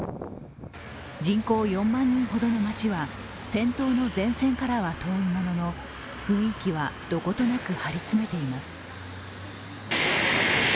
人口４万人ほどの町は戦闘の前線からは遠いものの雰囲気はどことなく張り詰めています。